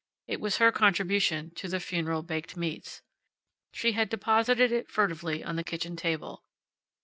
It was her contribution to the funeral baked meats. She had deposited it furtively on the kitchen table.